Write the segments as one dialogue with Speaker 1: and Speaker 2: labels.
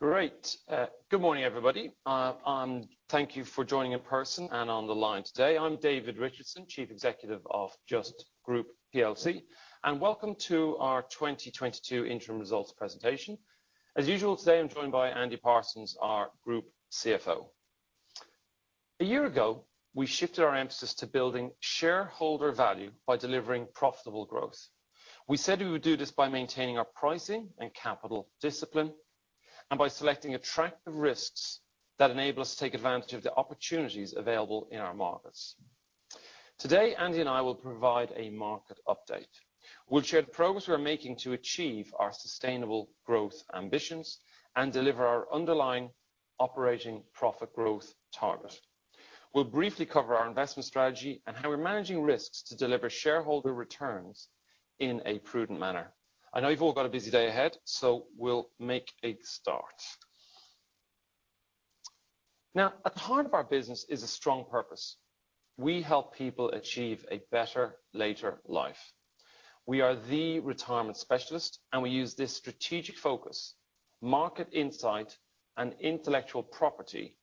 Speaker 1: Great. Good morning, everybody. Thank you for joining in person and on the line today. I'm David Richardson, Chief Executive of Just Group PLC, and welcome to our 2022 interim results presentation. As usual, today, I'm joined by Andy Parsons, our Group CFO. A year ago, we shifted our emphasis to building shareholder value by delivering profitable growth. We said we would do this by maintaining our pricing and capital discipline, and by selecting attractive risks that enable us to take advantage of the opportunities available in our markets. Today, Andy and I will provide a market update. We'll share the progress we are making to achieve our sustainable growth ambitions and deliver our underlying operating profit growth target. We'll briefly cover our investment strategy and how we're managing risks to deliver shareholder returns in a prudent manner. I know you've all got a busy day ahead, so we'll make a start. Now, at the heart of our business is a strong purpose. We help people achieve a better later life. We are the retirement specialist, and we use this strategic focus, market insight, and intellectual property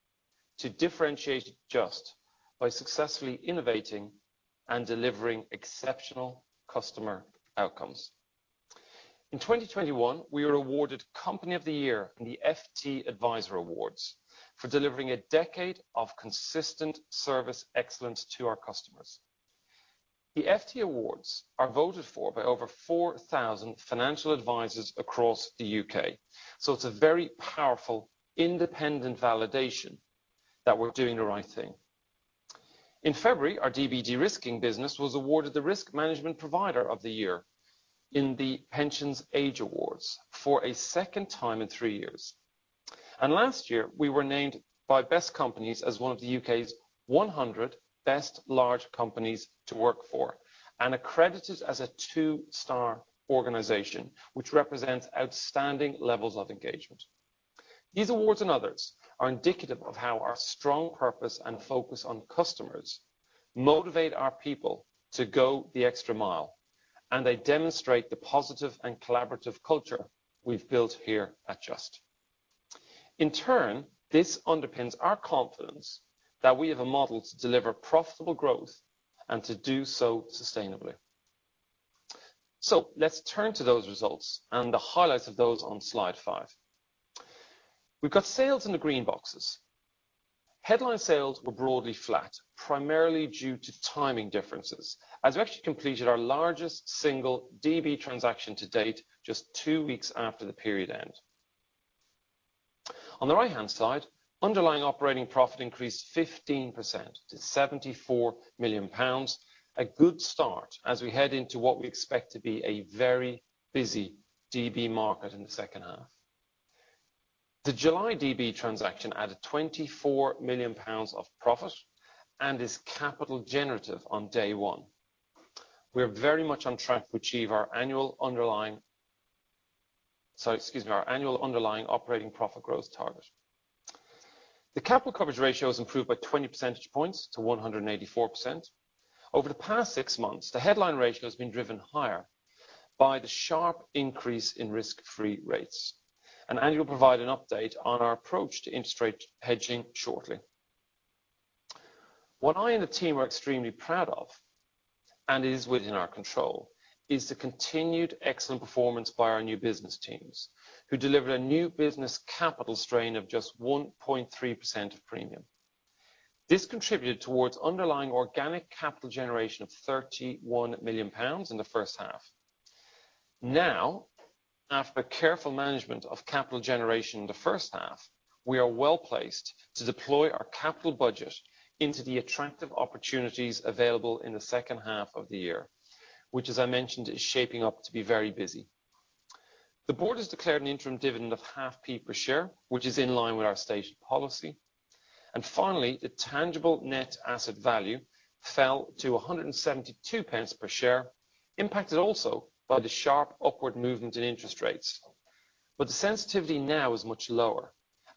Speaker 1: to differentiate Just by successfully innovating and delivering exceptional customer outcomes. In 2021, we were awarded Company of the Year in the FTAdviser Awards for delivering a decade of consistent service excellence to our customers. The FT Awards are voted for by over 4,000 financial advisors across the UK, so it's a very powerful, independent validation that we're doing the right thing. In February, our DB de-risking business was awarded the Risk Management Provider of the Year in the Pensions Age Awards for a second time in three years. Last year, we were named by Best Companies as one of the UK's 100 best large companies to work for and accredited as a two-star organization, which represents outstanding levels of engagement. These awards and others are indicative of how our strong purpose and focus on customers motivate our people to go the extra mile, and they demonstrate the positive and collaborative culture we've built here at Just. In turn, this underpins our confidence that we have a model to deliver profitable growth and to do so sustainably. Let's turn to those results and the highlights of those on slide five. We've got sales in the green boxes. Headline sales were broadly flat, primarily due to timing differences, as we actually completed our largest single DB transaction to date just two weeks after the period end. On the right-hand side, underlying operating profit increased 15% to 74 million pounds. A good start as we head into what we expect to be a very busy DB market in the second half. The July DB transaction added 24 million pounds of profit and is capital generative on day one. We are very much on track to achieve our annual underlying operating profit growth target. The capital coverage ratio has improved by 20 percentage points to 184%. Over the past six months, the headline ratio has been driven higher by the sharp increase in risk-free rates, and Andrew will provide an update on our approach to interest rate hedging shortly. What I and the team are extremely proud of, and is within our control, is the continued excellent performance by our new business teams who delivered a new business capital strain of just 1.3% of premium. This contributed towards underlying organic capital generation of 31 million pounds in the first half. Now, after careful management of capital generation in the first half, we are well-placed to deploy our capital budget into the attractive opportunities available in the second half of the year, which, as I mentioned, is shaping up to be very busy. The board has declared an interim dividend of half pence per share, which is in line with our stated policy. Finally, the tangible net asset value fell to 172 pence per share, impacted also by the sharp upward movement in interest rates. The sensitivity now is much lower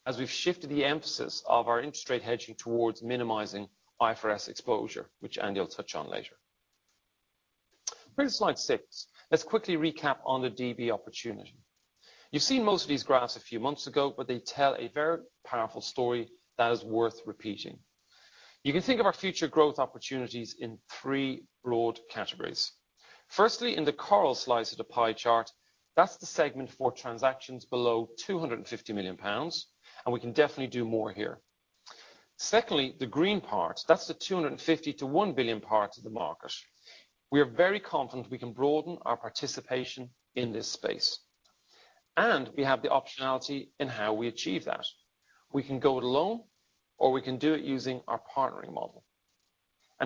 Speaker 1: as we've shifted the emphasis of our interest rate hedging towards minimizing IFRS exposure, which Andy will touch on later. Moving to slide six. Let's quickly recap on the DB opportunity. You've seen most of these graphs a few months ago, but they tell a very powerful story that is worth repeating. You can think of our future growth opportunities in three broad categories. Firstly, in the coral slice of the pie chart, that's the segment for transactions below 250 million pounds, and we can definitely do more here. Secondly, the green part. That's the 250 million to 1 billion parts of the market. We are very confident we can broaden our participation in this space, and we have the optionality in how we achieve that. We can go it alone or we can do it using our partnering model.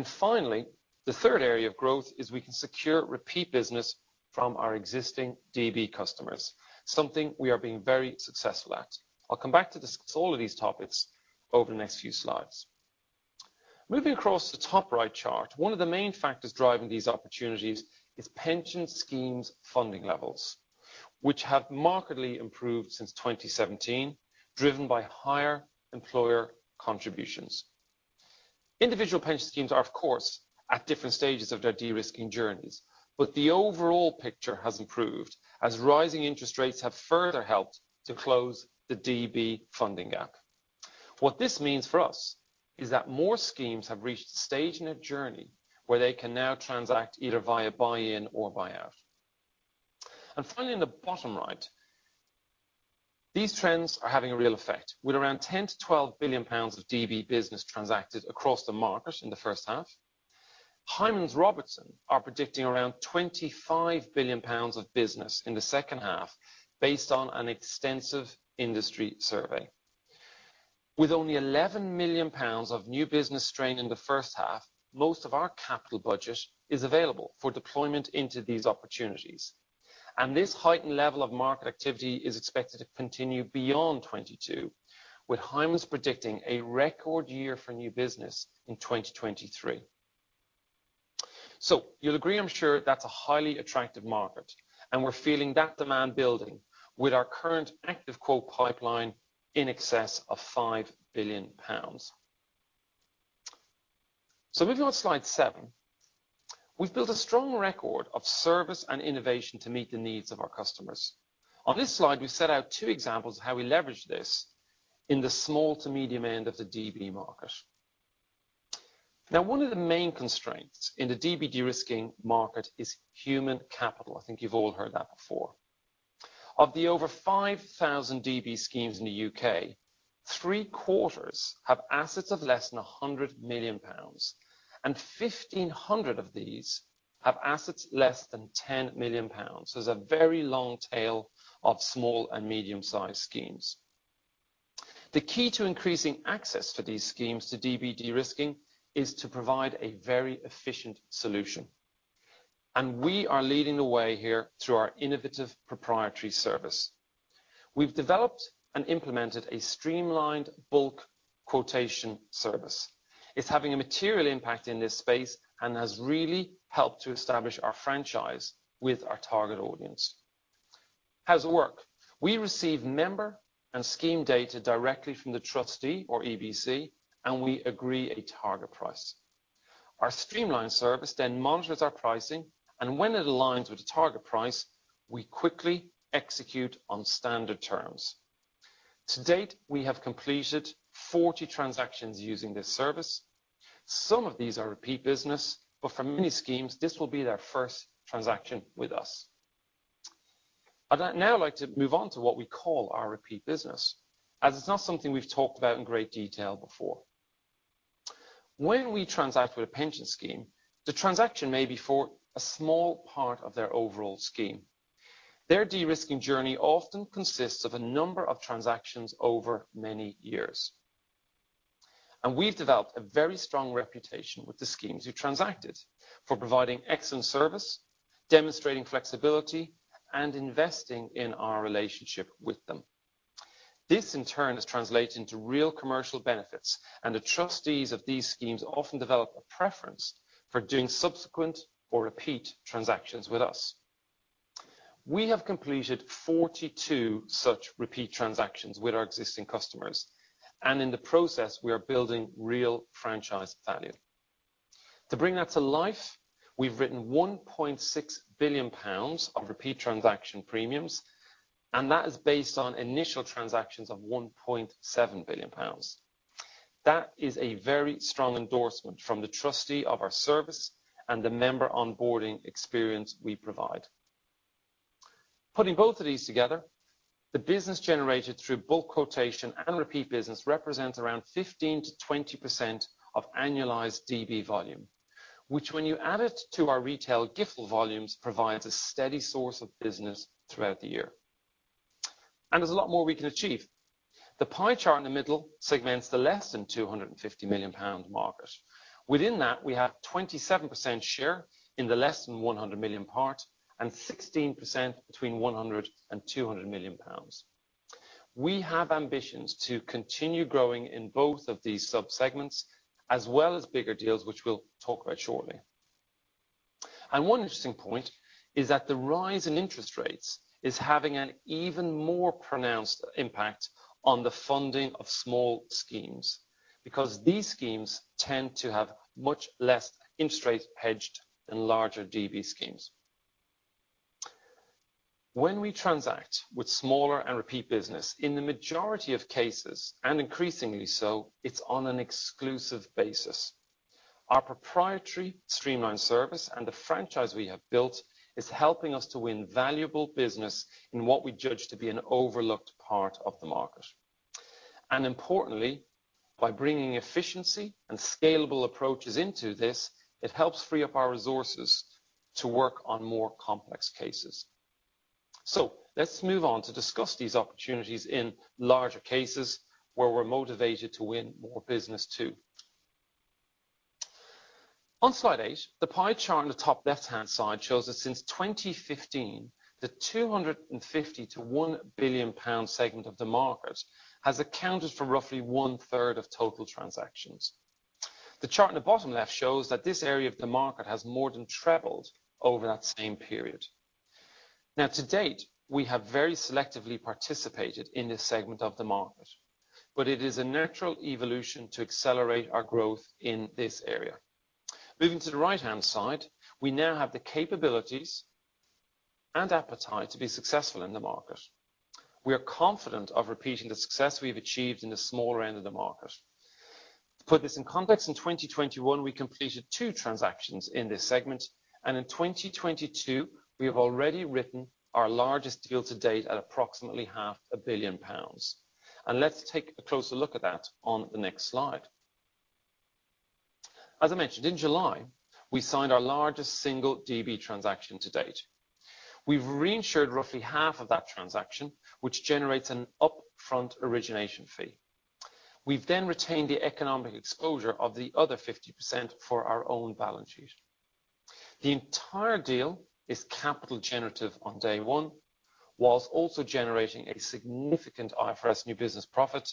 Speaker 1: Finally, the third area of growth is we can secure repeat business from our existing DB customers, something we are being very successful at. I'll come back to discuss all of these topics over the next few slides. Moving across to the top right chart, one of the main factors driving these opportunities is pension schemes funding levels, which have markedly improved since 2017, driven by higher employer contributions. Individual pension schemes are of course at different stages of their de-risking journeys, but the overall picture has improved as rising interest rates have further helped to close the DB funding gap. What this means for us is that more schemes have reached a stage in their journey where they can now transact either via buy-in or buy-out. Finally, in the bottom right, these trends are having a real effect. With around 10 million-12 billion pounds of DB business transacted across the market in the first half, Hymans Robertson are predicting around 25 billion pounds of business in the second half based on an extensive industry survey. With only 11 million pounds of new business strain in the first half, most of our capital budget is available for deployment into these opportunities. This heightened level of market activity is expected to continue beyond 2022, with Hymans predicting a record year for new business in 2023. You'll agree, I'm sure that's a highly attractive market, and we're feeling that demand building with our current active quote pipeline in excess of 5 billion pounds. Moving on to slide seven. We've built a strong record of service and innovation to meet the needs of our customers. On this slide, we set out two examples of how we leverage this in the small to medium end of the DB market. Now, one of the main constraints in the DB de-risking market is human capital. I think you've all heard that before. Of the over 5,000 DB schemes in the UK, three-quarters have assets of less than 100 million pounds, and 1,500 of these have assets less than 10 million pounds. There's a very long tail of small and medium-sized schemes. The key to increasing access to these schemes to DB de-risking is to provide a very efficient solution, and we are leading the way here through our innovative proprietary service. We've developed and implemented a streamlined bulk quotation service. It's having a material impact in this space and has really helped to establish our franchise with our target audience. How does it work? We receive member and scheme data directly from the trustee or EBC, and we agree a target price. Our streamlined service then monitors our pricing, and when it aligns with the target price, we quickly execute on standard terms. To date, we have completed 40 transactions using this service. Some of these are repeat business, but for many schemes, this will be their first transaction with us. I'd now like to move on to what we call our repeat business, as it's not something we've talked about in great detail before. When we transact with a pension scheme, the transaction may be for a small part of their overall scheme. Their de-risking journey often consists of a number of transactions over many years. We've developed a very strong reputation with the schemes who transact it for providing excellent service, demonstrating flexibility, and investing in our relationship with them. This, in turn, has translated into real commercial benefits, and the trustees of these schemes often develop a preference for doing subsequent or repeat transactions with us. We have completed 42 such repeat transactions with our existing customers, and in the process, we are building real franchise value. To bring that to life, we've written 1.6 billion pounds of repeat transaction premiums, and that is based on initial transactions of 1.7 billion pounds. That is a very strong endorsement from the trustee of our service and the member onboarding experience we provide. Putting both of these together, the business generated through bulk quotation and repeat business represents around 15%-20% of annualized DB volume, which when you add it to our retail GIFL volumes, provides a steady source of business throughout the year. There's a lot more we can achieve. The pie chart in the middle segments the less than 250 million pound market. Within that, we have 27% share in the less than 100 million part and 16% between 100 million pounds and 200 million pounds. We have ambitions to continue growing in both of these subsegments as well as bigger deals, which we'll talk about shortly. One interesting point is that the rise in interest rates is having an even more pronounced impact on the funding of small schemes because these schemes tend to have much less interest rates hedged than larger DB schemes. When we transact with smaller and repeat business, in the majority of cases, and increasingly so, it's on an exclusive basis. Our proprietary streamlined service and the franchise we have built is helping us to win valuable business in what we judge to be an overlooked part of the market. Importantly, by bringing efficiency and scalable approaches into this, it helps free up our resources to work on more complex cases. Let's move on to discuss these opportunities in larger cases where we're motivated to win more business too. On slide eight, the pie chart on the top left-hand side shows that since 2015, the 250 million to 1 billion pound segment of the market has accounted for roughly 1/3 of total transactions. The chart on the bottom left shows that this area of the market has more than trebled over that same period. Now to date, we have very selectively participated in this segment of the market, but it is a natural evolution to accelerate our growth in this area. Moving to the right-hand side, we now have the capabilities and appetite to be successful in the market. We are confident of repeating the success we have achieved in the smaller end of the market. To put this in context, in 2021 we completed two transactions in this segment, and in 2022, we have already written our largest deal to date at approximately 500 million pounds. Let's take a closer look at that on the next slide. As I mentioned, in July, we signed our largest single DB transaction to date. We've reinsured roughly half of that transaction, which generates an upfront origination fee. We've then retained the economic exposure of the other 50% for our own balance sheet. The entire deal is capital generative on day one, while also generating a significant IFRS new business profit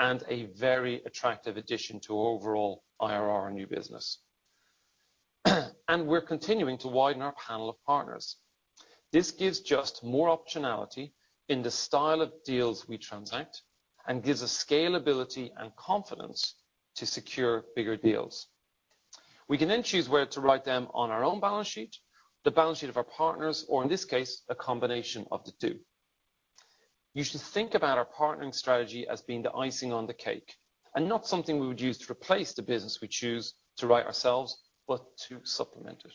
Speaker 1: and a very attractive addition to overall IRR new business. We're continuing to widen our panel of partners. This gives just more optionality in the style of deals we transact and gives us scalability and confidence to secure bigger deals. We can then choose where to write them on our own balance sheet, the balance sheet of our partners, or in this case, a combination of the two. You should think about our partnering strategy as being the icing on the cake and not something we would use to replace the business we choose to write ourselves, but to supplement it.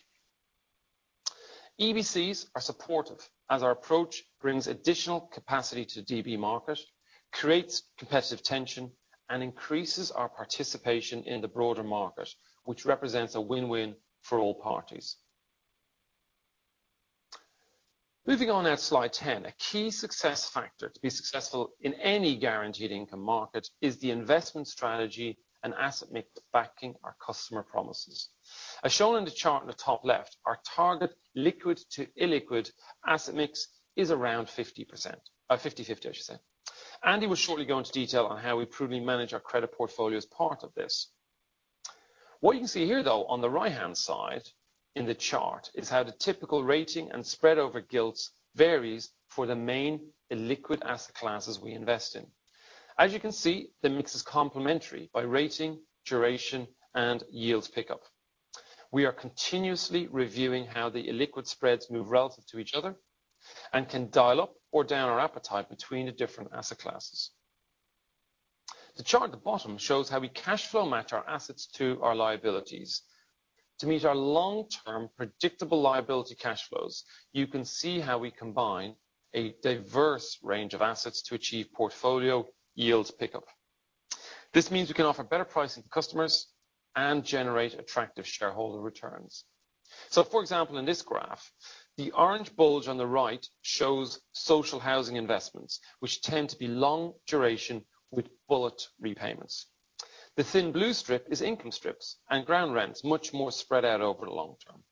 Speaker 1: EBCs are supportive as our approach brings additional capacity to DB market, creates competitive tension, and increases our participation in the broader market, which represents a win-win for all parties. Moving on now to slide 10. A key success factor to be successful in any guaranteed income market is the investment strategy and asset mix backing our customer promises. As shown in the chart in the top left, our target liquid to illiquid asset mix is around 50%. 50/50, I should say. Andy will shortly go into detail on how we prudently manage our credit portfolio as part of this. What you can see here, though, on the right-hand side in the chart, is how the typical rating and spread over gilts varies for the main illiquid asset classes we invest in. As you can see, the mix is complementary by rating, duration, and yield pickup. We are continuously reviewing how the illiquid spreads move relative to each other and can dial up or down our appetite between the different asset classes. The chart at the bottom shows how we cash flow match our assets to our liabilities. To meet our long-term predictable liability cash flows, you can see how we combine a diverse range of assets to achieve portfolio yields pickup. This means we can offer better pricing to customers and generate attractive shareholder returns. So for example, in this graph, the orange bulge on the right shows social housing investments, which tend to be long duration with bullet repayments. The thin blue strip is income strips and ground rents, much more spread out over the long term.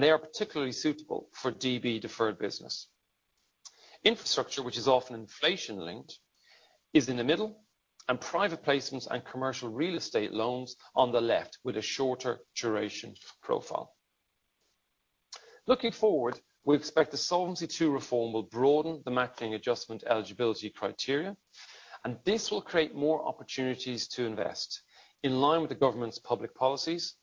Speaker 1: They are particularly suitable for DB deferred business. Infrastructure, which is often inflation linked, is in the middle, and private placements and commercial real estate loans on the left with a shorter duration profile. Looking forward, we expect the Solvency II reform will broaden the matching adjustment eligibility criteria, and this will create more opportunities to invest in line with the government's public policies,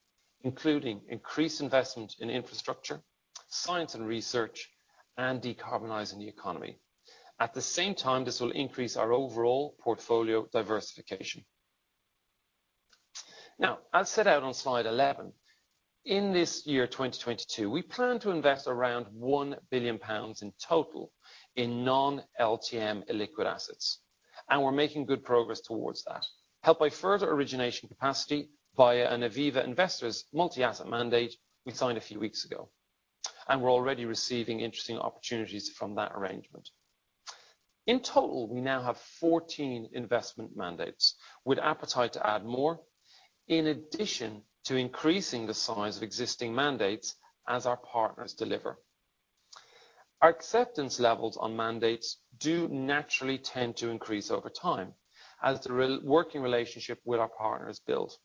Speaker 1: including increased investment in infrastructure, science and research, and decarbonizing the economy. At the same time, this will increase our overall portfolio diversification. Now, as set out on slide 11, in this year, 2022, we plan to invest around 1 billion pounds in total in non-LTM illiquid assets, and we're making good progress towards that, helped by further origination capacity via an Aviva Investors multi-asset mandate we signed a few weeks ago. We're already receiving interesting opportunities from that arrangement. In total, we now have 14 investment mandates with appetite to add more in addition to increasing the size of existing mandates as our partners deliver. Our acceptance levels on mandates do naturally tend to increase over time as the working relationship with our partners build.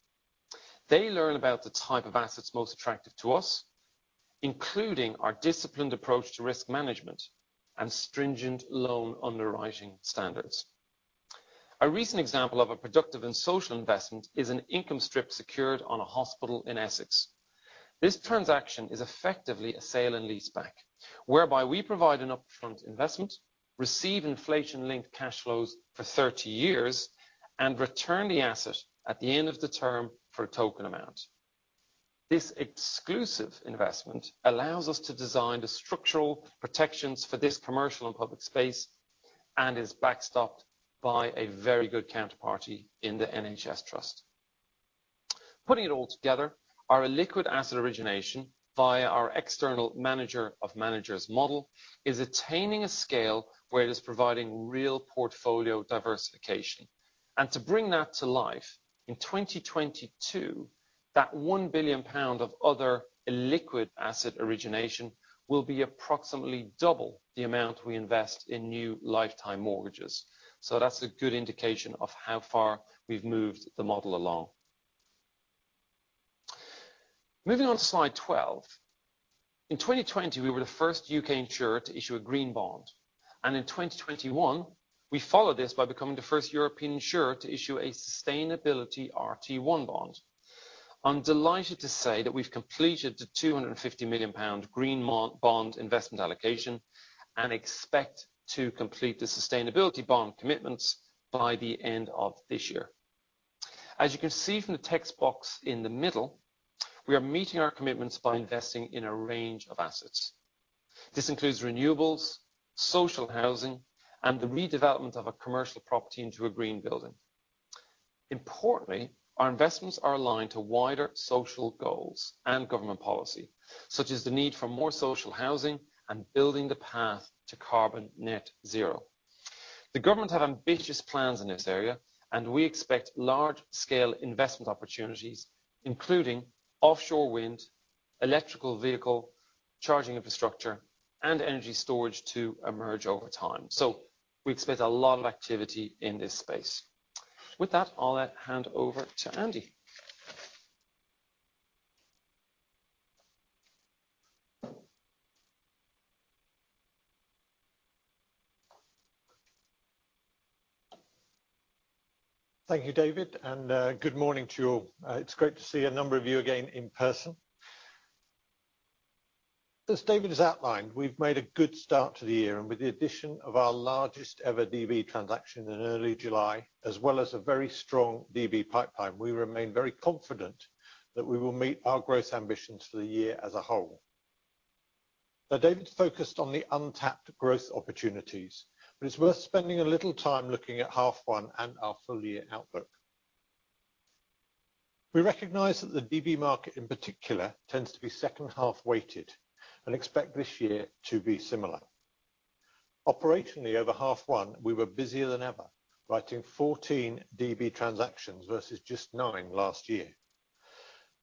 Speaker 1: They learn about the type of assets most attractive to us, including our disciplined approach to risk management and stringent loan underwriting standards. A recent example of a productive and social investment is an income strip secured on a hospital in Essex. This transaction is effectively a sale and leaseback, whereby we provide an upfront investment, receive inflation-linked cash flows for 30 years, and return the asset at the end of the term for a token amount. This exclusive investment allows us to design the structural protections for this commercial and public space and is backstopped by a very good counterparty in the NHS Trust. Putting it all together, our illiquid asset origination via our external manager of managers model is attaining a scale where it is providing real portfolio diversification. To bring that to life, in 2022, that 1 billion pound of other illiquid asset origination will be approximately double the amount we invest in new lifetime mortgages. That's a good indication of how far we've moved the model along. Moving on to slide 12. In 2020, we were the first UK insurer to issue a green bond, and in 2021 we followed this by becoming the first European insurer to issue a sustainability RT1 bond. I'm delighted to say that we've completed the 250 million pound green bond investment allocation and expect to complete the sustainability bond commitments by the end of this year. As you can see from the text box in the middle, we are meeting our commitments by investing in a range of assets. This includes renewables, social housing and the redevelopment of a commercial property into a green building. Importantly, our investments are aligned to wider social goals and government policy, such as the need for more social housing and building the path to carbon net zero. The government have ambitious plans in this area and we expect large scale investment opportunities, including offshore wind, electric vehicle charging infrastructure and energy storage to emerge over time. We expect a lot of activity in this space. With that, I'll hand over to Andy.
Speaker 2: Thank you, David, and good morning to you all. It's great to see a number of you again in person. As David has outlined, we've made a good start to the year and with the addition of our largest ever DB transaction in early July, as well as a very strong DB pipeline, we remain very confident that we will meet our growth ambitions for the year as a whole. Now, David focused on the untapped growth opportunities, but it's worth spending a little time looking at half one and our full-year outlook. We recognize that the DB market in particular tends to be second half weighted and expect this year to be similar. Operationally, over half one, we were busier than ever, writing 14 DB transactions versus just nine last year.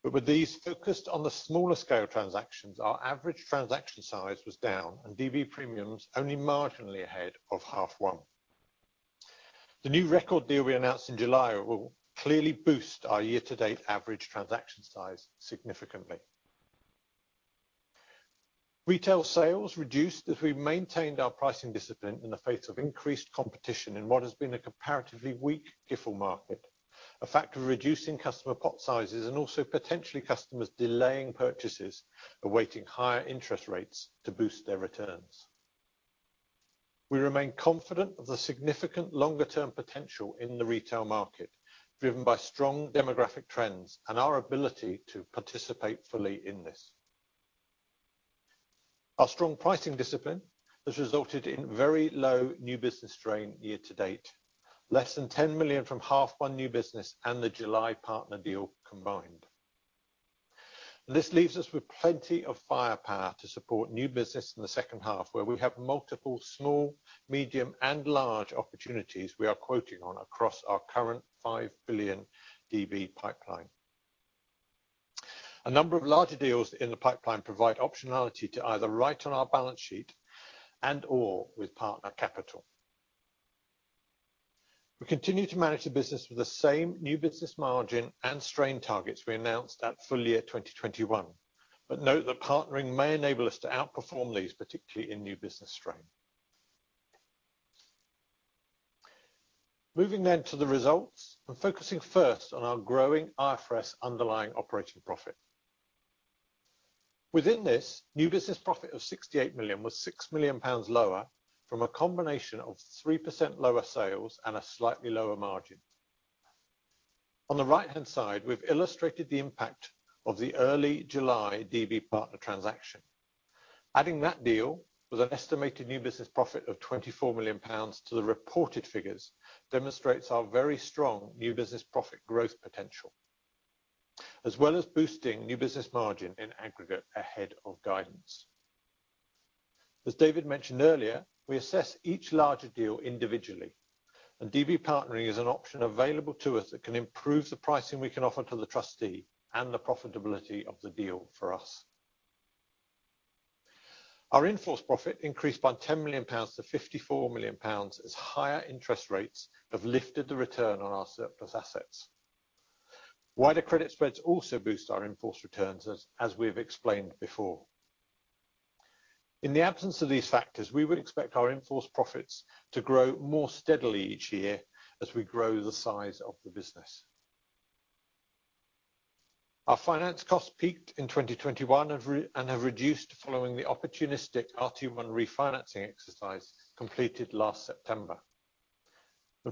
Speaker 2: with these focused on the smaller scale transactions, our average transaction size was down and DB premiums only marginally ahead of half one. The new record deal we announced in July will clearly boost our year-to-date average transaction size significantly. Retail sales reduced as we maintained our pricing discipline in the face of increased competition in what has been a comparatively weak GIFL market, a factor of reducing customer pot sizes and also potentially customers delaying purchases, awaiting higher interest rates to boost their returns. We remain confident of the significant longer term potential in the retail market, driven by strong demographic trends and our ability to participate fully in this. Our strong pricing discipline has resulted in very low new business strain year-to-date, less than 10 million from half one new business and the July partner deal combined. This leaves us with plenty of firepower to support new business in the second half, where we have multiple small, medium and large opportunities we are quoting on across our current 5 billion DB pipeline. A number of larger deals in the pipeline provide optionality to either write on our balance sheet and or with partner capital. We continue to manage the business with the same new business margin and strain targets we announced at full-year 2021. Note that partnering may enable us to outperform these, particularly in new business strain. Moving to the results and focusing first on our growing IFRS underlying operating profit. Within this, new business profit of 68 million was 6 million pounds lower from a combination of 3% lower sales and a slightly lower margin. On the right-hand side, we've illustrated the impact of the early July DB partner transaction. Adding that deal with an estimated new business profit of 24 million pounds to the reported figures demonstrates our very strong new business profit growth potential, as well as boosting new business margin in aggregate ahead of guidance. As David mentioned earlier, we assess each larger deal individually and DB partnering is an option available to us that can improve the pricing we can offer to the trustee and the profitability of the deal for us. Our in-force profit increased by 10 million pounds to 54 million pounds, as higher interest rates have lifted the return on our surplus assets. Wider credit spreads also boost our in-force returns, as we've explained before. In the absence of these factors, we would expect our in-force profits to grow more steadily each year as we grow the size of the business. Our finance costs peaked in 2021 and have reduced following the opportunistic RT1 refinancing exercise completed last September.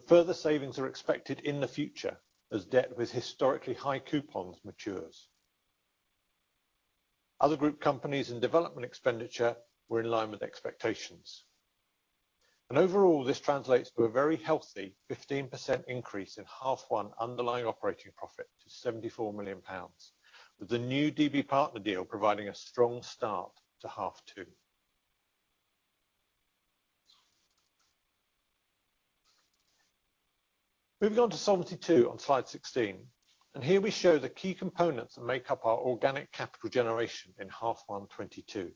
Speaker 2: Further savings are expected in the future as debt with historically high coupons matures. Other group companies and development expenditure were in line with expectations. Overall, this translates to a very healthy 15% increase in half one underlying operating profit to 74 million pounds, with the new DB partner deal providing a strong start to half two. Moving on to Solvency II on slide 16. Here we show the key components that make up our organic capital generation in half one 2022.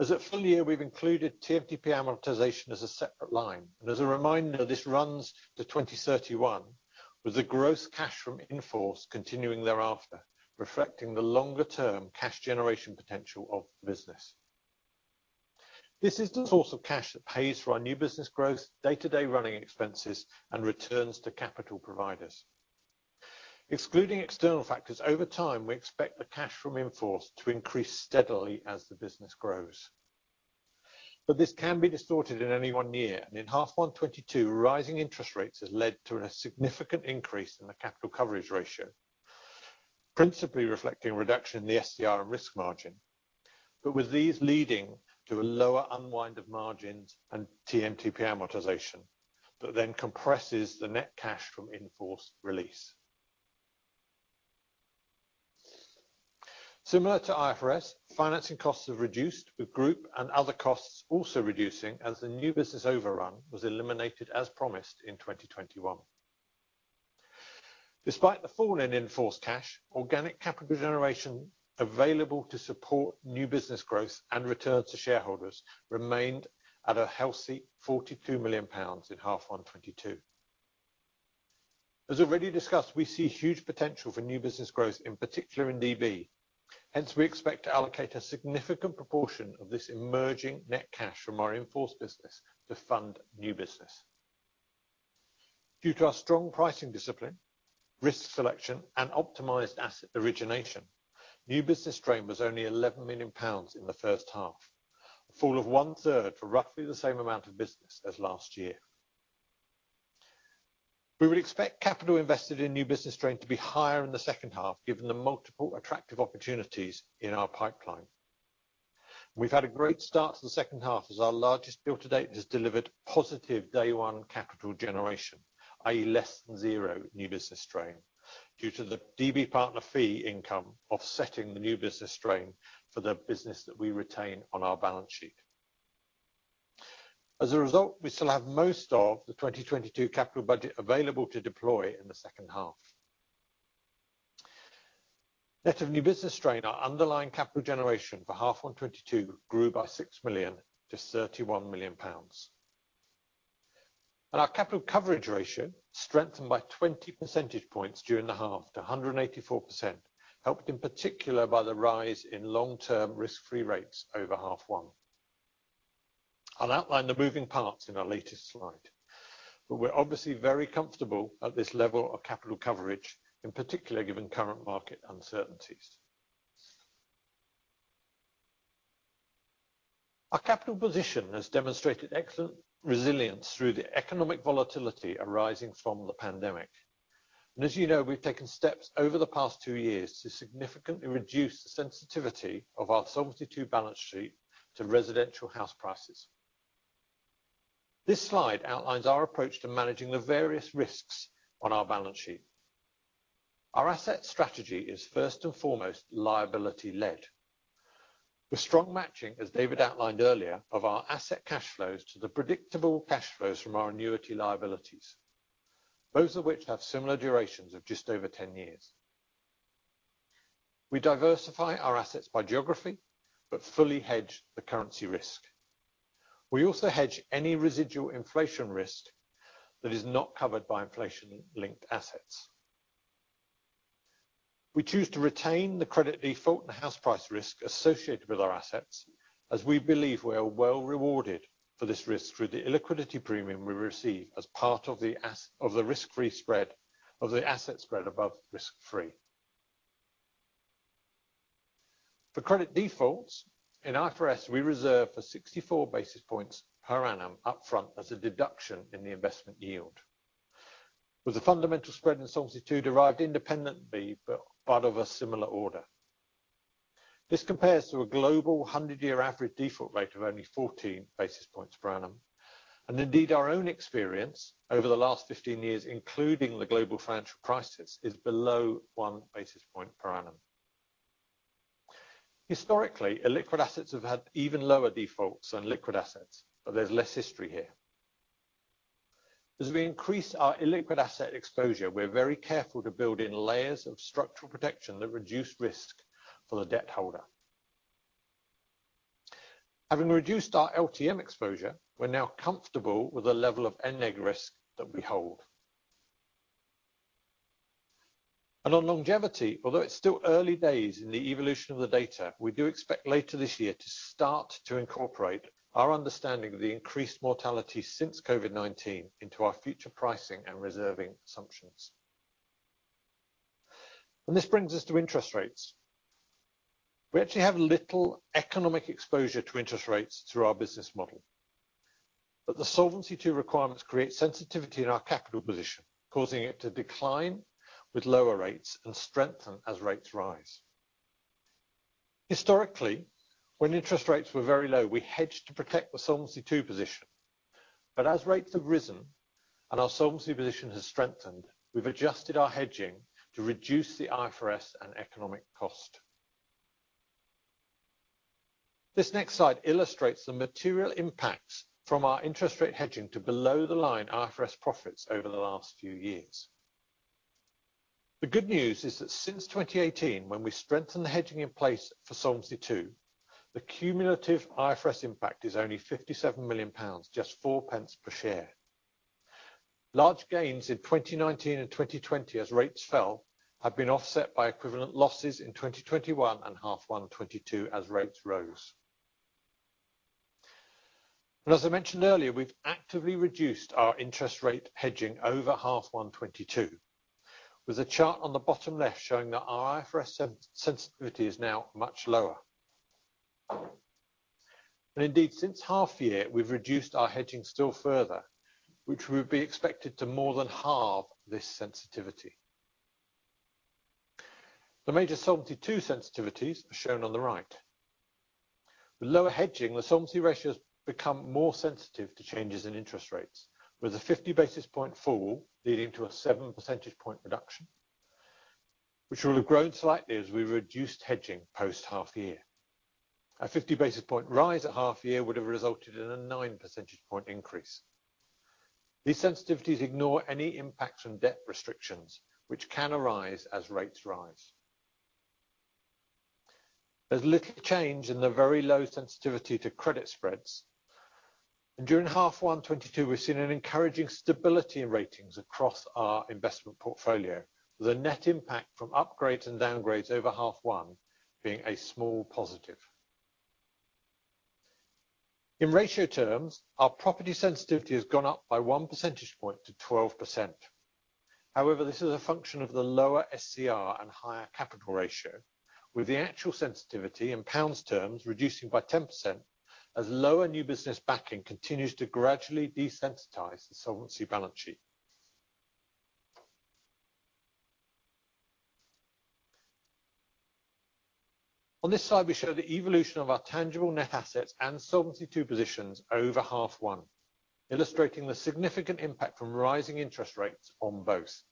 Speaker 2: As at full-year, we've included TMTP amortization as a separate line. As a reminder, this runs to 2031, with the gross cash from in-force continuing thereafter, reflecting the longer-term cash generation potential of the business. This is the source of cash that pays for our new business growth, day-to-day running expenses, and returns to capital providers. Excluding external factors over time, we expect the cash from in-force to increase steadily as the business grows. This can be distorted in any one year. In H1 2022, rising interest rates has led to a significant increase in the capital coverage ratio, principally reflecting a reduction in the SDR and risk margin. With these leading to a lower unwind of margins and TMTP amortization that then compresses the net cash from in-force release. Similar to IFRS, financing costs have reduced with group and other costs also reducing as the new business overrun was eliminated as promised in 2021. Despite the fall in in-force cash, organic capital generation available to support new business growth and returns to shareholders remained at a healthy 42 million pounds in H1 2022. As already discussed, we see huge potential for new business growth, in particular in DB. Hence, we expect to allocate a significant proportion of this emerging net cash from our in-force business to fund new business. Due to our strong pricing discipline, risk selection, and optimized asset origination, new business strain was only 11 million pounds in the first half, a fall of 1/3 for roughly the same amount of business as last year. We would expect capital invested in new business strain to be higher in the second half given the multiple attractive opportunities in our pipeline. We've had a great start to the second half as our largest deal to date has delivered positive day one capital generation, i.e., less than zero new business strain due to the DB partner fee income offsetting the new business strain for the business that we retain on our balance sheet. As a result, we still have most of the 2022 capital budget available to deploy in the second half. Net of new business strain, our underlying capital generation for half one 2022 grew by 6 million to 31 million pounds. Our capital coverage ratio strengthened by 20 percentage points during the half to 184%, helped in particular by the rise in long-term risk-free rates over half one. I'll outline the moving parts in our latest slide, but we're obviously very comfortable at this level of capital coverage, in particular given current market uncertainties. Our capital position has demonstrated excellent resilience through the economic volatility arising from the pandemic. As you know, we've taken steps over the past two years to significantly reduce the sensitivity of our Solvency II balance sheet to residential house prices. This slide outlines our approach to managing the various risks on our balance sheet. Our asset strategy is first and foremost liability-led. With strong matching, as David outlined earlier, of our asset cash flows to the predictable cash flows from our annuity liabilities, both of which have similar durations of just over 10 years. We diversify our assets by geography, but fully hedge the currency risk. We also hedge any residual inflation risk that is not covered by inflation-linked assets. We choose to retain the credit default and house price risk associated with our assets as we believe we are well rewarded for this risk through the illiquidity premium we receive as part of the asset spread above risk-free. For credit defaults, in IFRS, we reserve for 64 basis points per annum upfront as a deduction in the investment yield. With the fundamental spread in Solvency II derived independently, but out of a similar order. This compares to a global 100 year average default rate of only 14 basis points per annum. Indeed, our own experience over the last 15 years, including the global financial crisis, is below one basis point per annum. Historically, illiquid assets have had even lower defaults than liquid assets, but there's less history here. As we increase our illiquid asset exposure, we're very careful to build in layers of structural protection that reduce risk for the debt holder. Having reduced our LTM exposure, we're now comfortable with the level of NNEG risk that we hold. On longevity, although it's still early days in the evolution of the data, we do expect later this year to start to incorporate our understanding of the increased mortality since COVID-19 into our future pricing and reserving assumptions. This brings us to interest rates. We actually have little economic exposure to interest rates through our business model, but the Solvency II requirements create sensitivity in our capital position, causing it to decline with lower rates and strengthen as rates rise. Historically, when interest rates were very low, we hedged to protect the Solvency II position. As rates have risen and our solvency position has strengthened, we've adjusted our hedging to reduce the IFRS and economic cost. This next slide illustrates the material impacts from our interest rate hedging to below the line IFRS profits over the last few years. The good news is that since 2018, when we strengthened the hedging in place for Solvency II, the cumulative IFRS impact is only 57 million pounds, just 4 pence per share. Large gains in 2019 and 2020 as rates fell have been offset by equivalent losses in 2021 and H1 2022 as rates rose. As I mentioned earlier, we've actively reduced our interest rate hedging over H1 2022, with a chart on the bottom left showing that our IFRS sensitivity is now much lower. Indeed, since half year, we've reduced our hedging still further, which will be expected to more than halve this sensitivity. The major Solvency II sensitivities are shown on the right. With lower hedging, the solvency ratio has become more sensitive to changes in interest rates, with a 50 basis point fall leading to a 7 percentage point reduction, which will have grown slightly as we reduced hedging post half year. A 50 basis point rise at half year would have resulted in a 9 percentage point increase. These sensitivities ignore any impact from debt restrictions which can arise as rates rise. There's little change in the very low sensitivity to credit spreads. During half one 2022, we've seen an encouraging stability in ratings across our investment portfolio, with the net impact from upgrades and downgrades over half one being a small positive. In ratio terms, our property sensitivity has gone up by 1 percentage point to 12%. However, this is a function of the lower SCR and higher capital ratio, with the actual sensitivity in pounds terms reducing by 10% as lower new business backing continues to gradually desensitize the solvency balance sheet. On this slide, we show the evolution of our tangible net assets and Solvency II positions over H1, illustrating the significant impact from rising interest rates on both.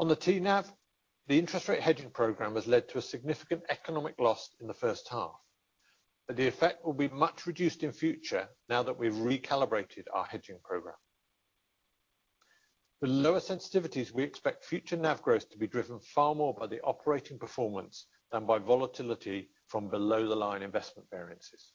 Speaker 2: On the TNAV, the interest rate hedging program has led to a significant economic loss in the first half, but the effect will be much reduced in future now that we've recalibrated our hedging program. With lower sensitivities, we expect future NAV growth to be driven far more by the operating performance than by volatility from below-the-line investment variances.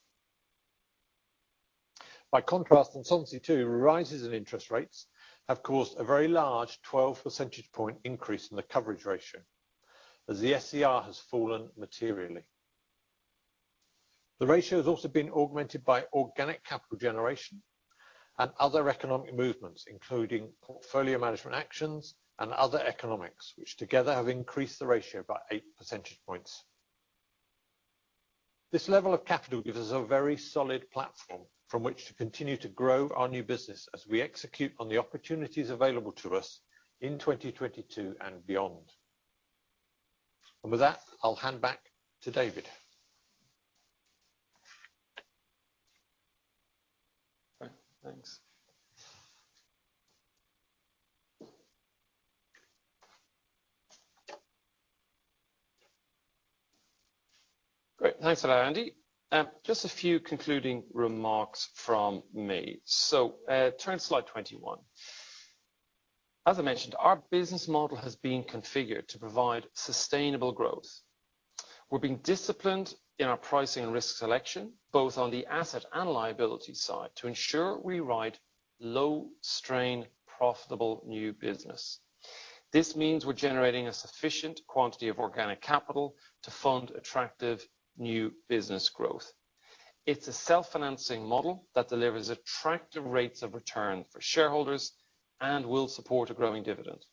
Speaker 2: By contrast, in Solvency II, rises in interest rates have caused a very large 12 percentage point increase in the coverage ratio, as the SCR has fallen materially. The ratio has also been augmented by organic capital generation and other economic movements, including portfolio management actions and other economics, which together have increased the ratio by 8 percentage points. This level of capital gives us a very solid platform from which to continue to grow our new business as we execute on the opportunities available to us in 2022 and beyond. With that, I'll hand back to David. Right. Thanks.
Speaker 1: Great. Thanks for that, Andy. Just a few concluding remarks from me. Turn to slide 21. As I mentioned, our business model has been configured to provide sustainable growth. We're being disciplined in our pricing and risk selection, both on the asset and liability side, to ensure we write low-strain, profitable new business. This means we're generating a sufficient quantity of organic capital to fund attractive new business growth. It's a self-financing model that delivers attractive rates of return for shareholders and will support a growing dividend.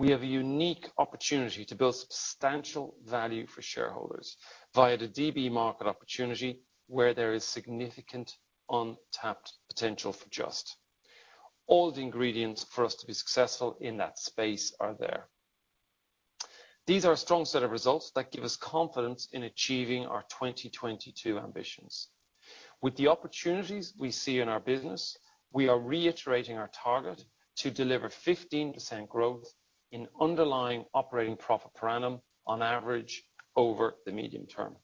Speaker 1: We have a unique opportunity to build substantial value for shareholders via the DB market opportunity, where there is significant untapped potential for Just. All the ingredients for us to be successful in that space are there. These are a strong set of results that give us confidence in achieving our 2022 ambitions. With the opportunities we see in our business, we are reiterating our target to deliver 15% growth in underlying operating profit per annum on average over the medium term.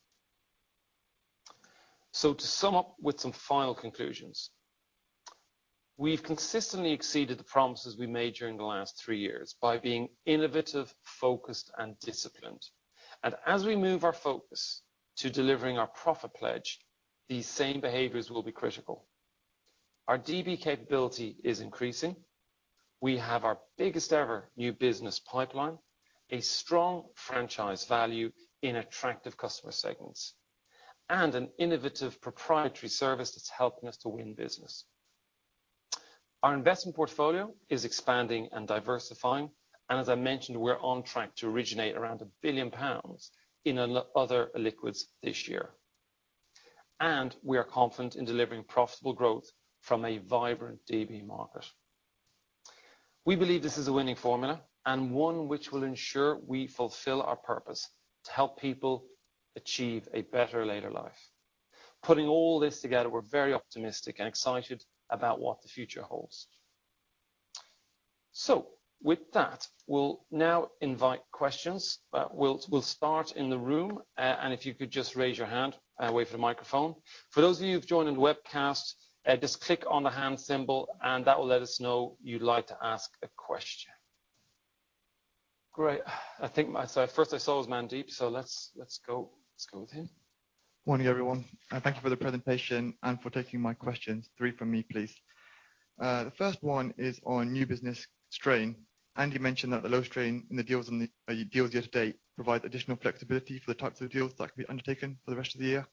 Speaker 1: To sum up with some final conclusions, we've consistently exceeded the promises we made during the last three years by being innovative, focused, and disciplined. As we move our focus to delivering our profit pledge, these same behaviors will be critical. Our DB capability is increasing. We have our biggest ever new business pipeline, a strong franchise value in attractive customer segments, and an innovative proprietary service that's helping us to win business. Our investment portfolio is expanding and diversifying, and as I mentioned, we're on track to originate around 1 billion pounds in other illiquids this year. We are confident in delivering profitable growth from a vibrant DB market. We believe this is a winning formula and one which will ensure we fulfill our purpose: To help people achieve a better later life. Putting all this together, we're very optimistic and excited about what the future holds. With that, we'll now invite questions. We'll start in the room, and if you could just raise your hand and wait for the microphone. For those of you who've joined on the webcast, just click on the hand symbol and that will let us know you'd like to ask a question. Great. I think so first I saw was Mandeep, so let's go with him.
Speaker 3: Morning, everyone. Thank you for the presentation and for taking my questions. Three from me, please. The first one is on new business strain. Andy mentioned that the low strain in the deals and the deals year-to-date provide additional flexibility for the types of deals that can be undertaken for the rest of the year.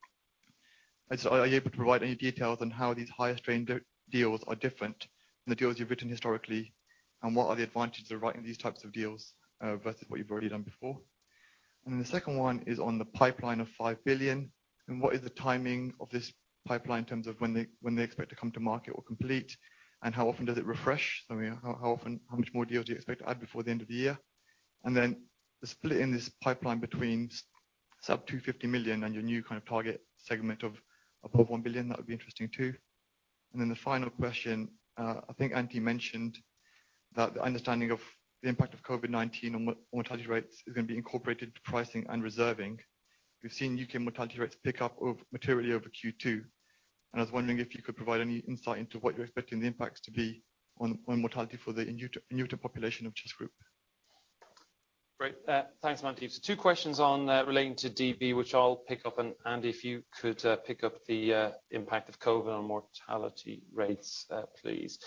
Speaker 3: Are you able to provide any details on how these higher strain deals are different than the deals you've written historically? And what are the advantages of writing these types of deals versus what you've already done before? The second one is on the pipeline of 5 billion, and what is the timing of this pipeline in terms of when they expect to come to market or complete? And how often does it refresh? I mean, how much more deals do you expect to add before the end of the year? Then the split in this pipeline between sub-GBP 250 million and your new kind of target segment of above 1 billion, that would be interesting too. Then the final question, I think Andy mentioned that the understanding of the impact of COVID-19 on mortality rates is gonna be incorporated into pricing and reserving. We've seen UK mortality rates pick up materially over Q2. I was wondering if you could provide any insight into what you're expecting the impacts to be on mortality for the new to population of Just Group.
Speaker 1: Great. Thanks, Mandeep. Two questions on relating to DB, which I'll pick up. Andy, if you could pick up the impact of COVID on mortality rates, please.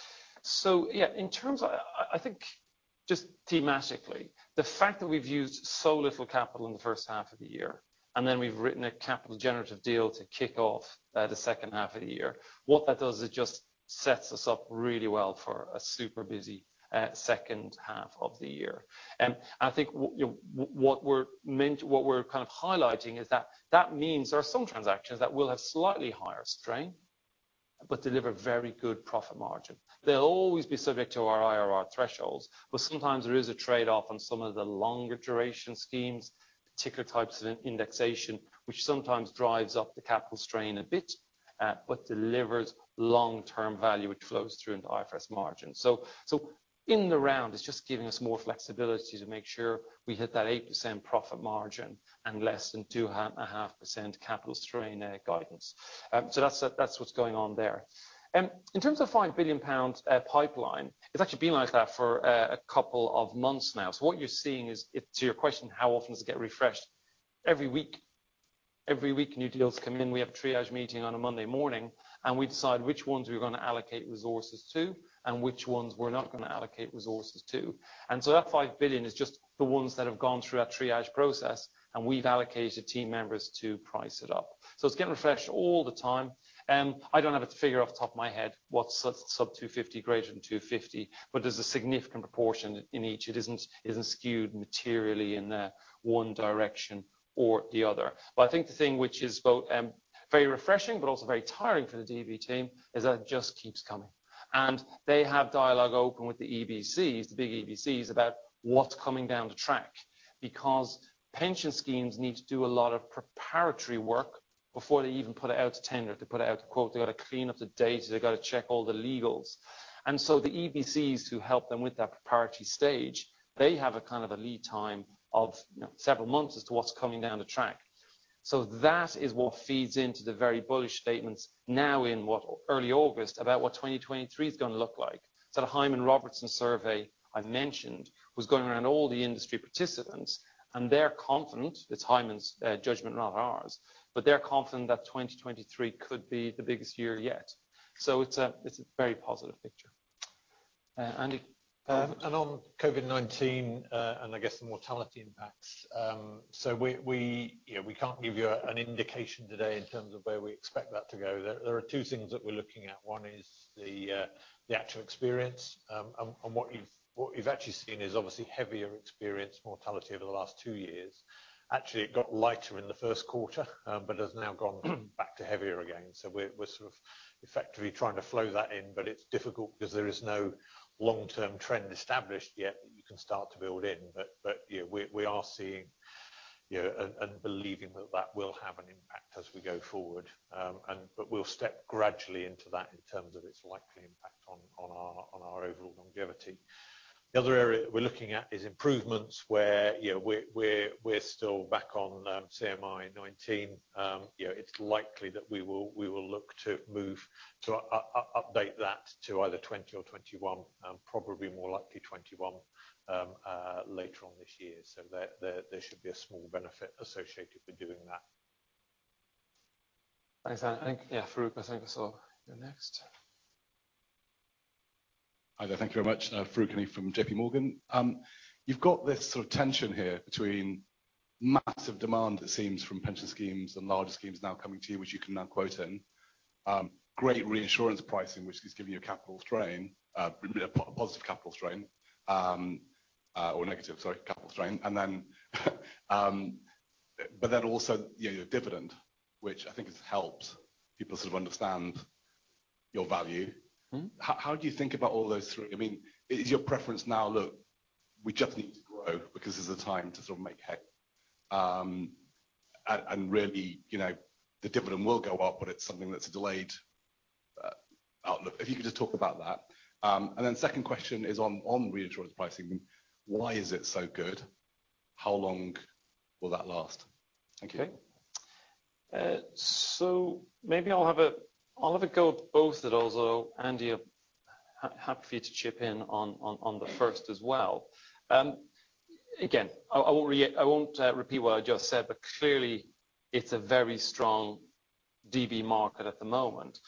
Speaker 1: In terms of, I think just thematically, the fact that we've used so little capital in the first half of the year, and then we've written a capital generative deal to kick off the second half of the year, what that does is just sets us up really well for a super busy second half of the year. I think what you know we're kind of highlighting is that that means there are some transactions that will have slightly higher strain, but deliver very good profit margin. They'll always be subject to our IRR thresholds, but sometimes there is a trade-off on some of the longer duration schemes, particular types of indexation, which sometimes drives up the capital strain a bit, but delivers long-term value, which flows through into IFRS margin. In the round, it's just giving us more flexibility to make sure we hit that 8% profit margin and less than 2.5% capital strain guidance. That's what's going on there. In terms of 5 billion pound pipeline, it's actually been like that for a couple of months now. To your question, how often does it get refreshed? Every week. Every week, new deals come in. We have a triage meeting on a Monday morning, and we decide which ones we're gonna allocate resources to and which ones we're not gonna allocate resources to. That 5 billion is just the ones that have gone through our triage process, and we've allocated team members to price it up. It's getting refreshed all the time. I don't have a figure off the top of my head what's sub 250, greater than 250, but there's a significant proportion in each. It isn't skewed materially in one direction or the other. I think the thing which is both very refreshing but also very tiring for the DB team is that it just keeps coming. They have dialogue open with the EBCs, the big EBCs, about what's coming down the track because pension schemes need to do a lot of preparatory work before they even put it out to tender. To put it out to quote, they've got to clean up the data. They've got to check all the legals. The EBCs who help them with that preparatory stage, they have a kind of a lead time of, you know, several months as to what's coming down the track. That is what feeds into the very bullish statements now in what, early August, about what 2023 is gonna look like. The Hymans Robertson survey I mentioned was going around all the industry participants, and they're confident, it's Hymans, judgment, not ours, but they're confident that 2023 could be the biggest year yet. It's a very positive picture, Andy.
Speaker 2: On COVID-19, I guess the mortality impacts. We can't give you an indication today in terms of where we expect that to go. There are two things that we're looking at. One is the actual experience, and what you've actually seen is obviously heavier experienced mortality over the last two years. Actually, it got lighter in the first quarter, but has now gone back to heavier again. We're sort of effectively trying to flow that in, but it's difficult because there is no long-term trend established yet that you can start to build in. Yeah, we are seeing, you know, and believing that that will have an impact as we go forward. We'll step gradually into that in terms of its likely impact on our overall longevity. The other area that we're looking at is improvements where you know we're still back on CMI 2019. You know it's likely that we will look to move to update that to either 2020 or 2021, probably more likely 2021, later on this year. There should be a small benefit associated with doing that.
Speaker 1: Thanks, Andy. I think, yeah, Farooq, I think I saw you next.
Speaker 4: Hi there. Thank you very much. Farooq Hanif from JPMorgan. You've got this sort of tension here between massive demand that seems from pension schemes and larger schemes now coming to you, which you can now quote in great reinsurance pricing, which is giving you a capital strain, positive capital strain, or negative, sorry, capital strain. Also, you know, your dividend, which I think has helped people sort of understand your value.
Speaker 1: Mm-hmm.
Speaker 4: How do you think about all those three? I mean, is your preference now, look, we just need to grow because this is the time to sort of make hay and really, you know, the dividend will go up, but it's something that's a delayed outlook. If you could just talk about that. Then second question is on reinsurance pricing. Why is it so good? How long will that last? Thank you.
Speaker 1: Maybe I'll have a go at both of those. Although, Andy, I'd be happy for you to chip in on the first as well. Again, I won't repeat what I just said, but clearly it's a very strong DB market at the moment.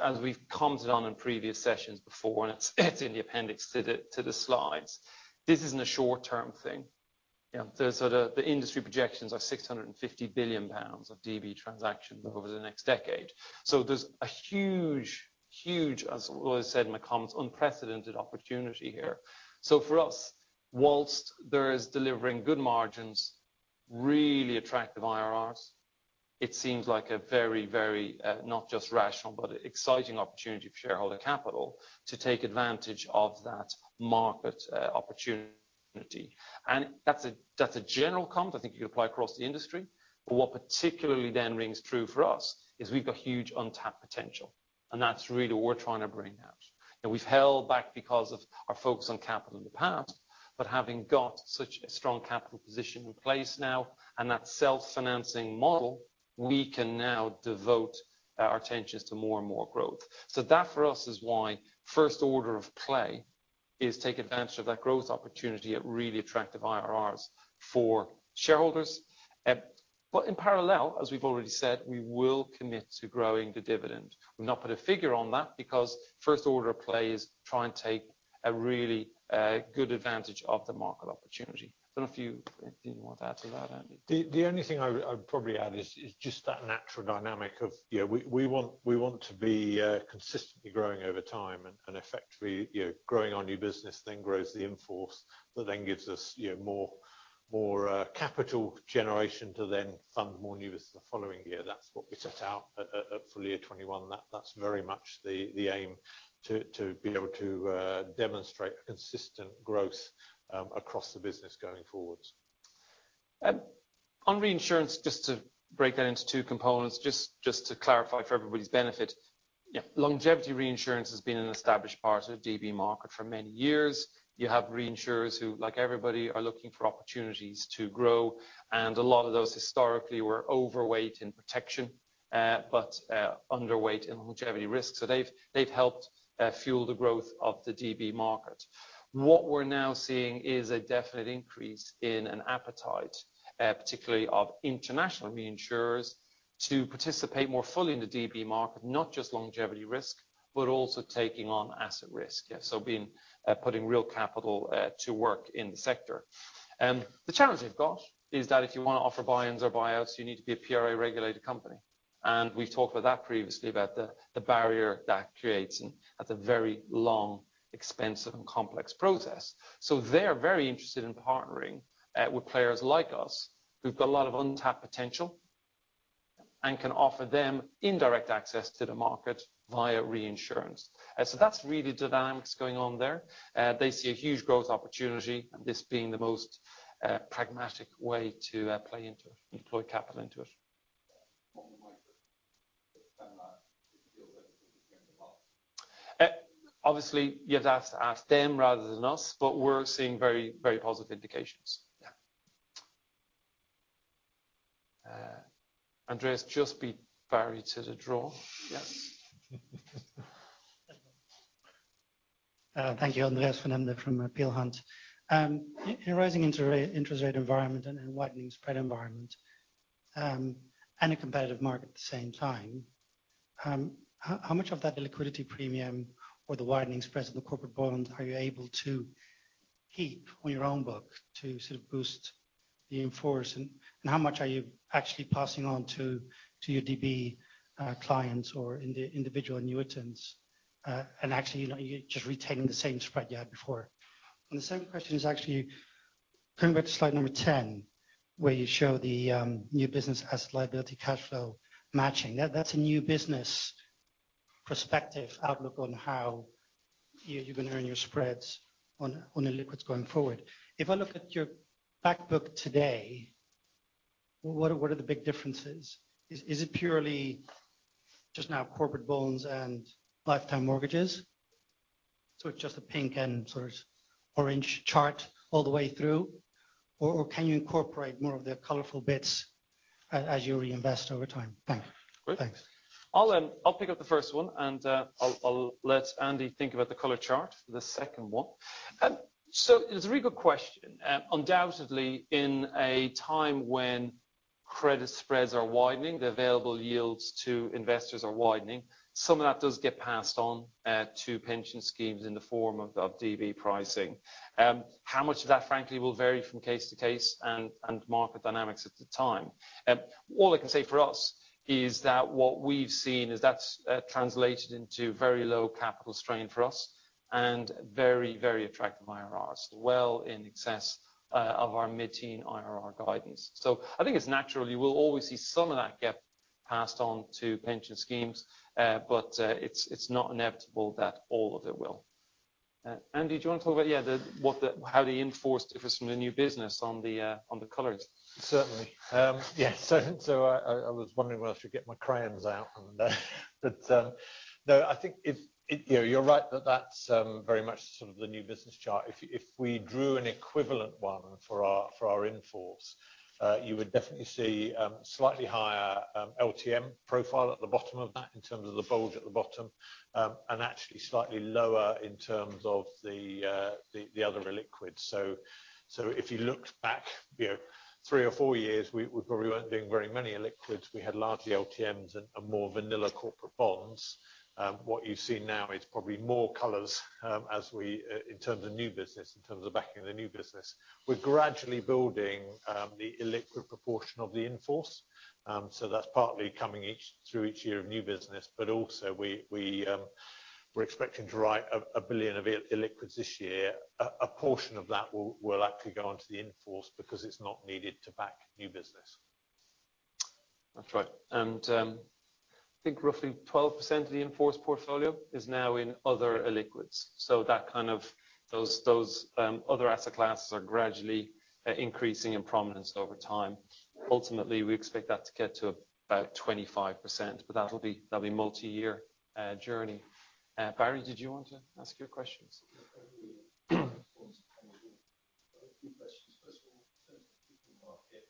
Speaker 1: As we've commented on in previous sessions before, and it's in the appendix to the slides, this isn't a short-term thing. You know, the industry projections are 650 billion pounds of DB transactions over the next decade. There's a huge, as I said in my comments, unprecedented opportunity here. For us, while there is delivering good margins, really attractive IRRs, it seems like a very, not just rational, but exciting opportunity for shareholder capital to take advantage of that market, opportunity. That's a general comment I think you apply across the industry. What particularly then rings true for us is we've got huge untapped potential, and that's really we're trying to bring out. We've held back because of our focus on capital in the past, but having got such a strong capital position in place now and that self-financing model, we can now devote our attentions to more and more growth. That, for us, is why first order of play is take advantage of that growth opportunity at really attractive IRRs for shareholders. In parallel, as we've already said, we will commit to growing the dividend. We'll not put a figure on that because first order of play is try and take a really good advantage of the market opportunity. Don't know if you have anything you want to add to that, Andy.
Speaker 2: The only thing I would probably add is just that natural dynamic of, you know, we want to be consistently growing over time and effectively, you know, growing our new business then grows the in-force that then gives us, you know, more capital generation to then fund more new business the following year. That's what we set out at full-year 2021. That's very much the aim to be able to demonstrate consistent growth across the business going forward.
Speaker 1: On reinsurance, just to break that into two components, just to clarify for everybody's benefit. You know, longevity reinsurance has been an established part of DB market for many years. You have reinsurers who, like everybody, are looking for opportunities to grow, and a lot of those historically were overweight in protection, but underweight in longevity risk. So they've helped fuel the growth of the DB market. What we're now seeing is a definite increase in an appetite, particularly of international reinsurers to participate more fully in the DB market, not just longevity risk, but also taking on asset risk. Yeah. So being putting real capital to work in the sector. The challenge they've got is that if you wanna offer buy-ins or buyouts, you need to be a PRA-regulated company. We've talked about that previously, about the barrier that creates and that's a very long, expensive, and complex process. They're very interested in partnering with players like us who've got a lot of untapped potential and can offer them indirect access to the market via reinsurance. That's really dynamics going on there. They see a huge growth opportunity, and this being the most pragmatic way to play into it, deploy capital into it. Obviously you'd have to ask them rather than us, but we're seeing very, very positive indications. Yeah. Andreas, just beat Barry to the draw. Yes.
Speaker 5: Thank you. Andreas Fernandez from Peel Hunt. In a rising interest rate environment and widening spread environment, and a competitive market at the same time, how much of that liquidity premium or the widening spread of the corporate bond are you able to keep on your own book to sort of boost the in-force? How much are you actually passing on to your DB clients or individual annuitants, and actually, you know, you're just retaining the same spread you had before? The second question is actually going back to slide number 10, where you show the new business as liability cash flow matching. That's a new business perspective outlook on how you're gonna earn your spreads on illiquids going forward. If I look at your back book today, what are the big differences? Is it purely just now corporate bonds and lifetime mortgages? It's just a pink and sort of orange chart all the way through, or can you incorporate more of the colorful bits as you reinvest over time? Thank you.
Speaker 1: Great.
Speaker 5: Thanks.
Speaker 1: I'll pick up the first one, and I'll let Andy think about the color chart, the second one. It's a really good question. Undoubtedly, in a time when credit spreads are widening, the available yields to investors are widening, some of that does get passed on to pension schemes in the form of DB pricing. How much of that, frankly, will vary from case to case and market dynamics at the time. All I can say for us is that what we've seen is that it's translated into very low capital strain for us and very, very attractive IRRs, well in excess of our mid-teen IRR guidance. I think it's natural. You will always see some of that get passed on to pension schemes, but it's not inevitable that all of it will. Andy, do you wanna talk about how the in-force differs from the new business on the colorings?
Speaker 2: Certainly. Yes. I was wondering whether I should get my crayons out on that. But no, I think it. You know, you're right that that's very much sort of the new business chart. If we drew an equivalent one for our in-force, you would definitely see slightly higher LTM profile at the bottom of that in terms of the bulge at the bottom. And actually slightly lower in terms of the other illiquid. So if you looked back, you know, three or four years, we probably weren't doing very many illiquids. We had largely LTMs and more vanilla corporate bonds. What you see now is probably more colors as we in terms of new business, in terms of backing the new business. We're gradually building the illiquid proportion of the in-force. That's partly coming through each year of new business. Also we're expecting to write 1 billion of illiquids this year. A portion of that will actually go onto the in-force because it's not needed to back new business.
Speaker 1: That's right. I think roughly 12% of the in-force portfolio is now in other illiquids. That kind of those other asset classes are gradually increasing in prominence over time. Ultimately, we expect that to get to about 25%, but that'll be multi-year journey. Barry, did you want to ask your questions?
Speaker 6: A few questions. First of all, in terms of GIFL market,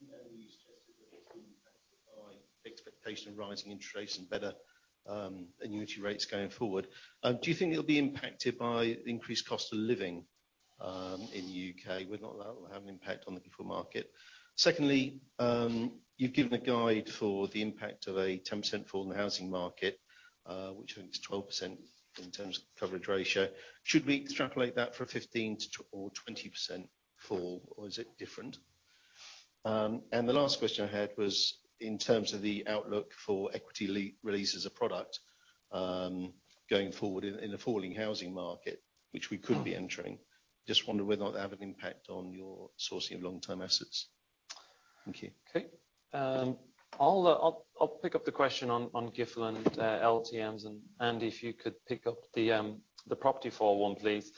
Speaker 6: you know, you suggested that it's been impacted by expectation of rising interest rates and better annuity rates going forward. Do you think it'll be impacted by increased cost of living in the UK, whether or not that will have an impact on the GIFL market? Secondly, you've given a guide for the impact of a 10% fall in the housing market, which I think is 12% in terms of coverage ratio. Should we extrapolate that for a 15%-20% fall, or is it different? The last question I had was in terms of the outlook for equity release as a product, going forward in a falling housing market, which we could be entering. Just wonder whether or not that would have an impact on your sourcing of long-term assets. Thank you.
Speaker 1: I'll pick up the question on GIFL and LTMs. Andy, if you could pick up the property for one, please.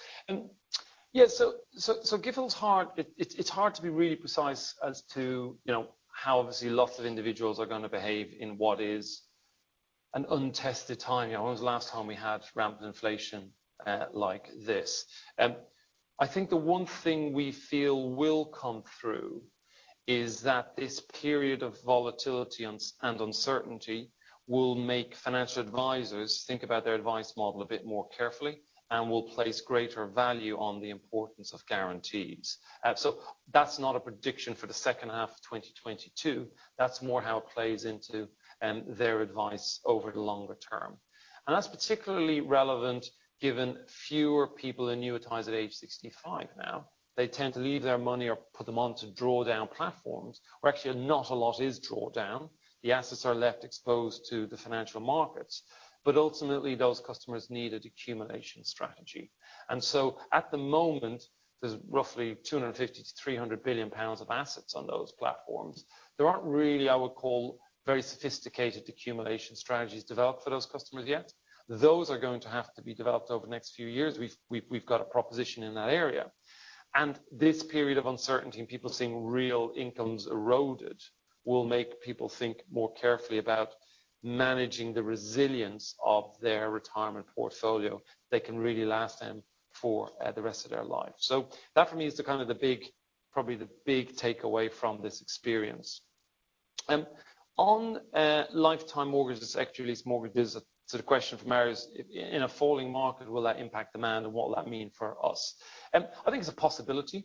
Speaker 1: GIFL's hard. It's hard to be really precise as to, you know, how obviously lots of individuals are gonna behave in what is an untested time. You know, when was the last time we had rampant inflation like this? I think the one thing we feel will come through is that this period of volatility and uncertainty will make financial advisors think about their advice model a bit more carefully and will place greater value on the importance of guarantees. That's not a prediction for the second half of 2022. That's more how it plays into their advice over the longer term. That's particularly relevant given fewer people annuitize at age 65 now. They tend to leave their money or put them onto drawdown platforms, where actually not a lot is drawn down. The assets are left exposed to the financial markets. Ultimately, those customers need an accumulation strategy. At the moment, there's roughly 250 billion-300 billion pounds of assets on those platforms. There aren't really, I would call, very sophisticated accumulation strategies developed for those customers yet. Those are going to have to be developed over the next few years. We've got a proposition in that area. This period of uncertainty and people seeing real incomes eroded will make people think more carefully about managing the resilience of their retirement portfolio that can really last them for the rest of their lives. That for me is the kind of the big takeaway from this experience. On lifetime mortgages, equity release mortgages, the question from Barry is, in a falling market, will that impact demand, and what will that mean for us? I think it's a possibility.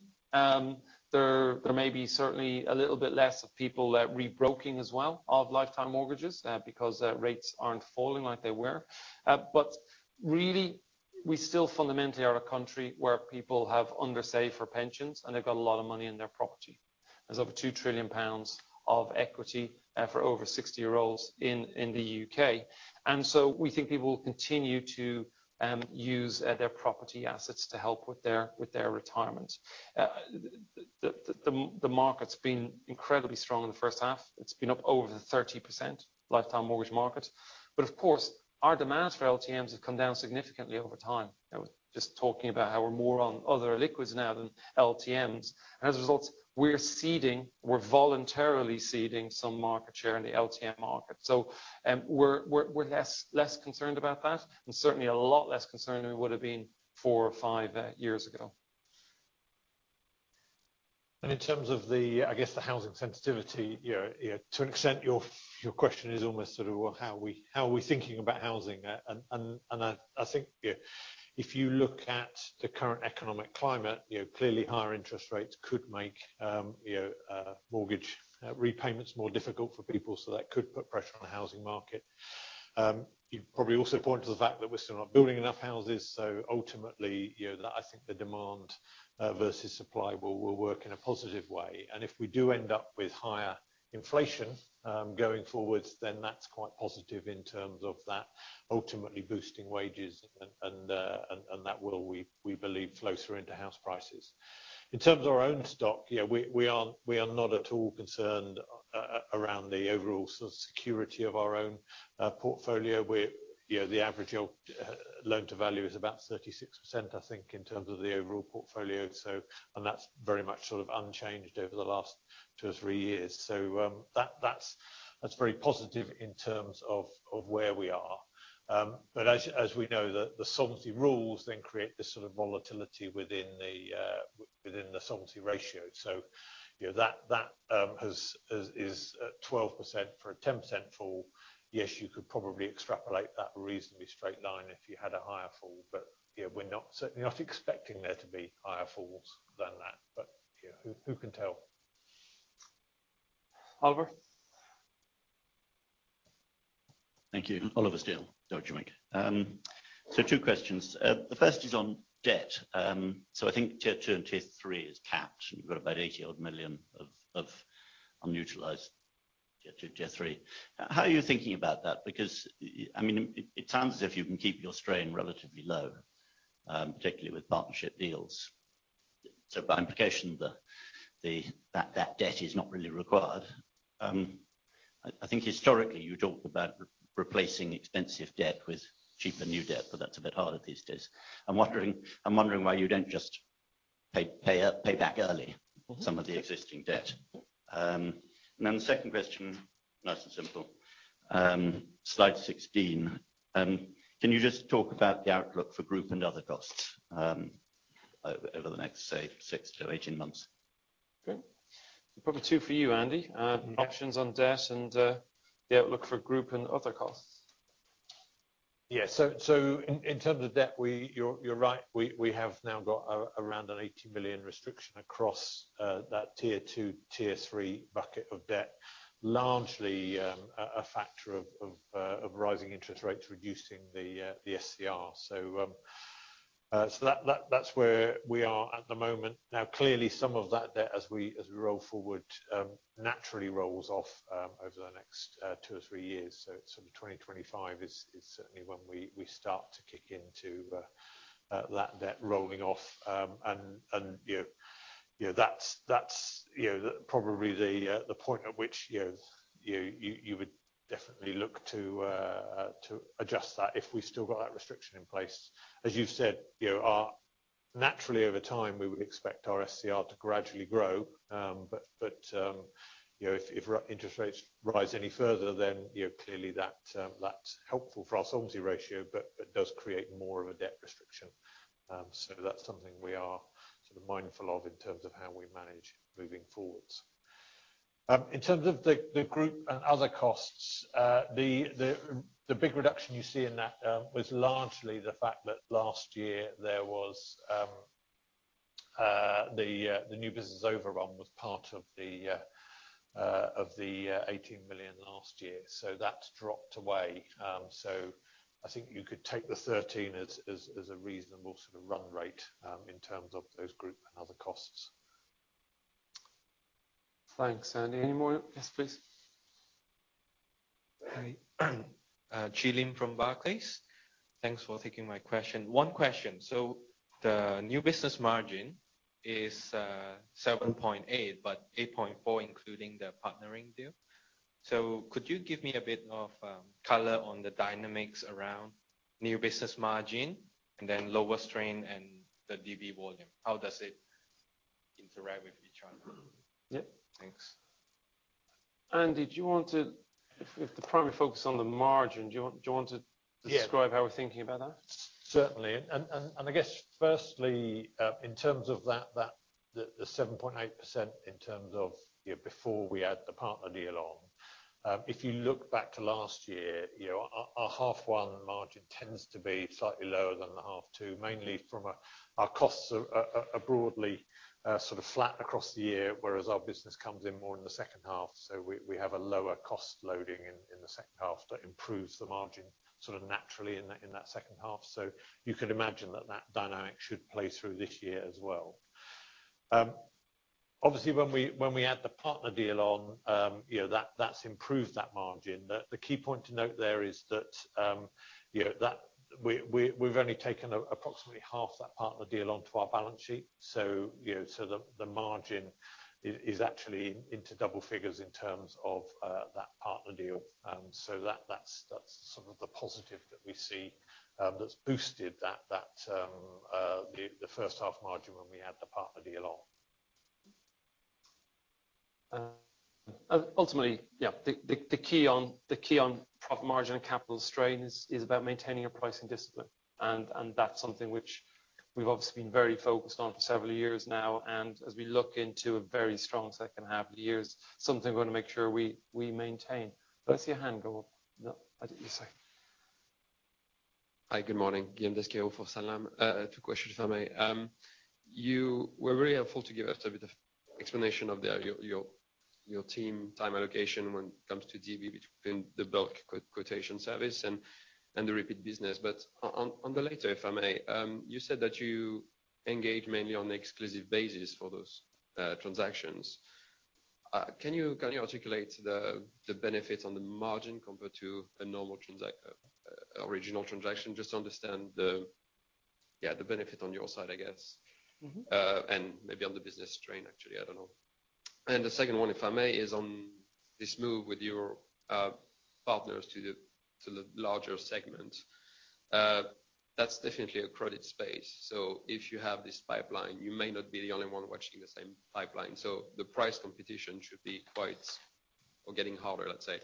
Speaker 1: There may be certainly a little bit less of people rebroking as well of lifetime mortgages because rates aren't falling like they were. Really, we still fundamentally are a country where people have undersaved for pensions, and they've got a lot of money in their property. There's over 2 trillion pounds of equity for over 60-year-olds in the UK. We think people will continue to use their property assets to help with their retirement. The market's been incredibly strong in the first half. It's been up over 30%, lifetime mortgage market. Of course, our demand for LTMs have come down significantly over time. I was just talking about how we're more on other illiquids now than LTMs. As a result, we're voluntarily ceding some market share in the LTM market. We're less concerned about that, and certainly a lot less concerned than we would have been four or five years ago.
Speaker 2: In terms of the I guess the housing sensitivity, you know, to an extent, your question is almost sort of, well, how are we thinking about housing? I think, you know, if you look at the current economic climate, you know, clearly higher interest rates could make mortgage repayments more difficult for people, so that could put pressure on the housing market. You probably also point to the fact that we're still not building enough houses, so ultimately, you know, that I think the demand versus supply will work in a positive way. If we do end up with higher inflation going forward, then that's quite positive in terms of that ultimately boosting wages and that will, we believe, flow through into house prices. In terms of our own stock, you know, we are not at all concerned around the overall security of our own portfolio where, you know, the average loan-to-value is about 36%, I think, in terms of the overall portfolio. That's very much sort of unchanged over the last two or three years. That's very positive in terms of where we are. As we know, the solvency rules then create this sort of volatility within the solvency ratio. You know, that is at 12%. For a 10% fall, yes, you could probably extrapolate that reasonably straight line if you had a higher fall. You know, we're not, certainly not expecting there to be higher falls than that. You know, who can tell?
Speaker 1: Oliver?
Speaker 7: Thank you. Oliver Steel, Deutsche Bank. Two questions. The first is on debt. I think Tier 2 and Tier 3 is capped, and you've got about 80 million of unutilized Tier 2, Tier 3. How are you thinking about that? Because I mean it sounds as if you can keep your strain relatively low, particularly with partnership deals. By implication that debt is not really required. I think historically you talk about replacing expensive debt with cheaper new debt, but that's a bit harder these days. I'm wondering why you don't just pay back early some of the existing debt. The second question, nice and simple. Slide 16. Can you just talk about the outlook for group and other costs over the next, say, six to 18 months?
Speaker 1: Okay. Probably two for you, Andy. Options on debt and the outlook for group and other costs.
Speaker 2: Yeah. In terms of debt, you're right. We have now got around a 80 million restriction across that Tier 2, Tier 3 bucket of debt. Largely a factor of rising interest rates reducing the SCR. So that's where we are at the moment. Now, clearly some of that debt as we roll forward naturally rolls off over the next two or three years. So sort of 2025 is certainly when we start to kick into that debt rolling off. You know, that's probably the point at which you would definitely look to adjust that if we've still got that restriction in place. As you've said, you know, naturally over time, we would expect our SCR to gradually grow. If our interest rates rise any further, then, you know, clearly that's helpful for our solvency ratio, but it does create more of a debt restriction. That's something we are sort of mindful of in terms of how we manage moving forwards. In terms of the group and other costs, the big reduction you see in that was largely the fact that last year the new business overrun was part of the 18 million last year. That's dropped away. I think you could take the 13 as a reasonable sort of run rate, in terms of those group and other costs.
Speaker 1: Thanks, Andy. Any more? Yes, please.
Speaker 8: Hi. Qi Lin from Barclays. Thanks for taking my question. One question. The new business margin is 7.8%, but 8.4% including the partnering deal. Could you give me a bit of color on the dynamics around new business margin and then lower strain and the DB volume? How does it interact with each other?
Speaker 2: Yeah.
Speaker 8: Thanks.
Speaker 1: Andy, do you want to? If the primary focus on the margin, do you want to describe?
Speaker 2: Yeah.
Speaker 1: How we're thinking about that?
Speaker 2: Certainly. I guess firstly, in terms of the 7.8%, you know, before we add the partner deal on. If you look back to last year, you know, our half one margin tends to be slightly lower than the half two, mainly from our costs are broadly sort of flat across the year, whereas our business comes in more in the second half. We have a lower cost loading in the second half that improves the margin sort of naturally in that second half. You can imagine that dynamic should play through this year as well. Obviously when we add the partner deal on, you know, that's improved that margin. The key point to note there is that, you know, we've only taken approximately half that partner deal onto our balance sheet. So, you know, the margin is actually into double figures in terms of that partner deal. So that's sort of the positive that we see, that's boosted the first half margin when we add the partner deal on.
Speaker 1: Ultimately, yeah, the key on profit margin and capital strain is about maintaining a pricing discipline. That's something which we've obviously been very focused on for several years now. As we look into a very strong second half of the year, it's something we're gonna make sure we maintain. Did I see a hand go up? No. I think you're set.
Speaker 9: Hi, good morning. Guillaume Desqueyroux for Sanlam. Two questions if I may. You were very helpful to give us a bit of explanation of your team time allocation when it comes to DB between the bulk quotation service and the repeat business. On the latter, if I may, you said that you engage mainly on exclusive basis for those transactions. Can you articulate the benefits on the margin compared to a normal original transaction, just to understand the benefit on your side, I guess.
Speaker 1: Mm-hmm.
Speaker 9: Maybe on the business train, actually, I don't know. The second one, if I may, is on this move with your partners to the larger segment. That's definitely a credit space, so if you have this pipeline, you may not be the only one watching the same pipeline. The price competition should be quite or getting harder, let's say.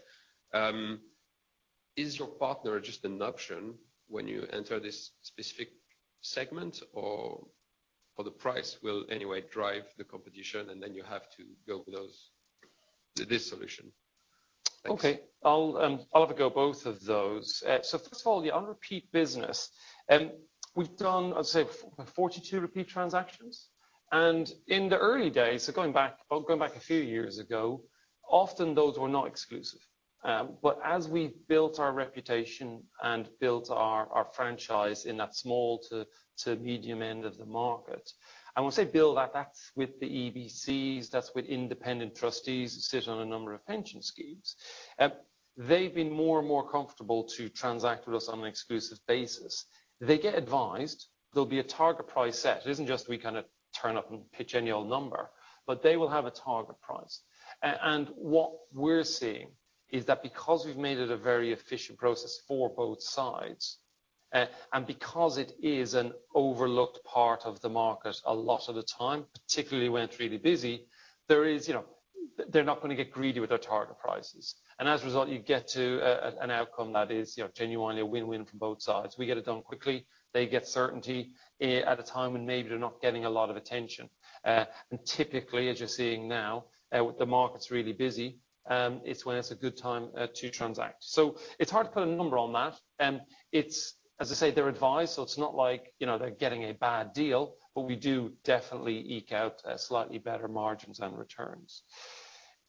Speaker 9: Is your partner just an option when you enter this specific segment or the price will anyway drive the competition, and then you have to go with those to this solution? Thanks.
Speaker 1: Okay. I'll have a go at both of those. So first of all, the repeat business, we've done, I'd say 42 repeat transactions. In the early days, so going back a few years ago, often those were not exclusive. But as we built our reputation and built our franchise in that small to medium end of the market, and we've built that's with the EBCs, that's with independent trustees who sit on a number of pension schemes. They've been more and more comfortable to transact with us on an exclusive basis. They get advised there'll be a target price set. It isn't just we kind of turn up and pitch any old number, but they will have a target price. What we're seeing is that because we've made it a very efficient process for both sides, and because it is an overlooked part of the market a lot of the time, particularly when it's really busy, there is, you know, they're not gonna get greedy with their target prices. As a result, you get to an outcome that is, you know, genuinely a win-win from both sides. We get it done quickly, they get certainty, at a time when maybe they're not getting a lot of attention. And typically, as you're seeing now, the market's really busy, it's when it's a good time to transact. It's hard to put a number on that. As I say, they're advised, so it's not like, you know, they're getting a bad deal, but we do definitely eke out slightly better margins and returns.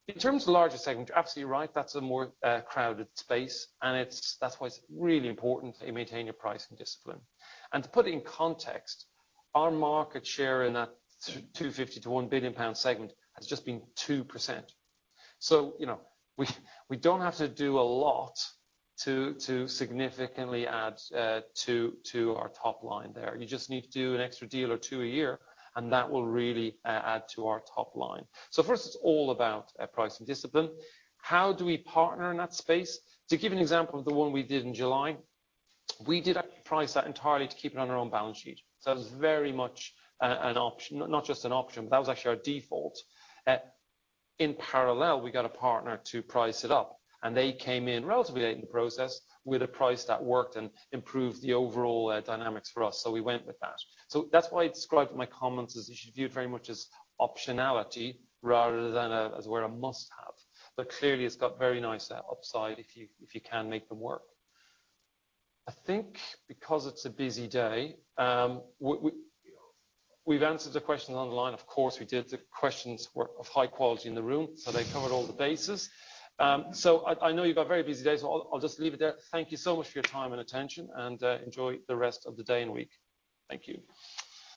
Speaker 1: In terms of larger segment, you're absolutely right, that's a more crowded space, and that's why it's really important that you maintain your pricing discipline. To put it in context, our market share in that 250 million-1 billion pound segment has just been 2%. You know, we don't have to do a lot to significantly add to our top line there. You just need to do an extra deal or two a year, and that will really add to our top line. First it's all about pricing discipline. How do we partner in that space? To give an example of the one we did in July, we did price that entirely to keep it on our own balance sheet. That was very much an option. Not just an option, but that was actually our default. In parallel, we got a partner to price it up, and they came in relatively late in the process with a price that worked and improved the overall dynamics for us, so we went with that. That's why I described in my comments as you should view it very much as optionality rather than as a must-have. Clearly it's got very nice upside if you can make them work. I think because it's a busy day, we've answered the questions online. Of course, we did. The questions were of high quality in the room, so they covered all the bases. I know you've got a very busy day, so I'll just leave it there. Thank you so much for your time and attention and enjoy the rest of the day and week. Thank you.